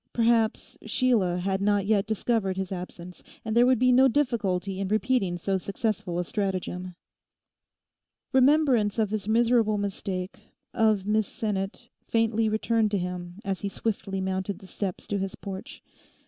Perhaps Sheila had not yet discovered his absence; and there would be no difficulty in repeating so successful a stratagem. Remembrance of his miserable mistake, of Miss Sinnet, faintly returned to him as he swiftly mounted the steps to his porch.